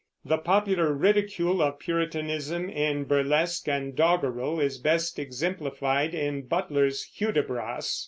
The popular ridicule of Puritanism in burlesque and doggerel is best exemplified in Butler's Hudibras.